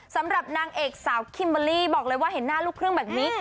สำหรับนางเอกสาวคิมเบอร์รี่บอกเลยว่าเห็นหน้าลูกครึ่งแบบนี้